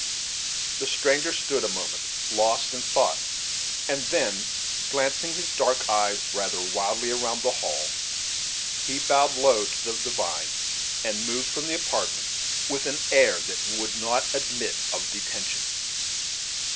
The stranger stood a moment lost in thought, and then, glancing his dark eyes rather wildly around the hall, he bowed low to the divine, and moved from the apartment with an air that would not admit of detention.